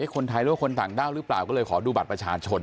คนไทยหรือว่าคนต่างด้าวหรือเปล่าก็เลยขอดูบัตรประชาชน